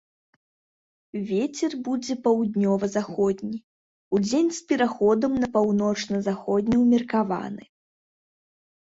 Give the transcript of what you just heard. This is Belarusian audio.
Вецер будзе паўднёва-заходні, удзень з пераходам на паўночна-заходні ўмеркаваны.